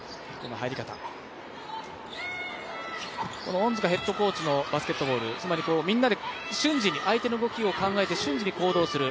恩塚ヘッドコーチもバスケットボールみんなで相手の動きを読んで瞬時に行動する。